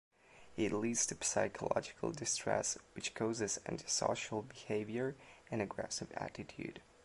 It leads to psychological distress which causes antisocial behaviour and aggressive attitude.